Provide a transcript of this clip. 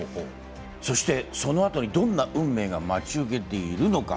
そしてそのあとにどんな運命が待ち受けているのか。